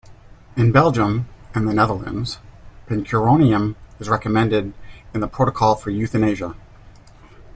In Belgium and the Netherlands, pancuronium is recommended in the protocol for euthanasia.